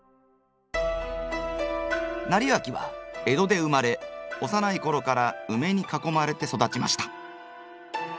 斉昭は江戸で生まれ幼い頃からウメに囲まれて育ちました。